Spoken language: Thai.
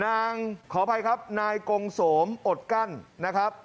ขออภัยครับนายกงโสมอดกั้นนะครับ